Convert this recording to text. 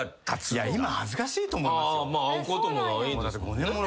今恥ずかしいと思いますよ。